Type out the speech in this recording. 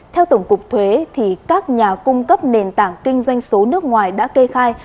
theo tổng cục thuế các nhà cung cấp nền tảng kinh doanh số nước ngoài đã kê khai